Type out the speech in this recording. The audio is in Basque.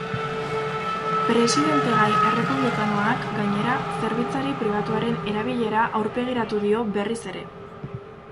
Presidentegai errepublikanoak, gainera, zerbitzari pribatuaren erabilera aurpegiratu dio berriz ere.